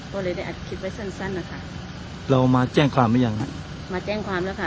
ก็เลยได้อัดคลิปไว้สั้นสั้นนะคะเรามาแจ้งความหรือยังฮะมาแจ้งความแล้วค่ะ